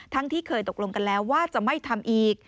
ที่เคยตกลงกันแล้วว่าจะไม่ทำอีก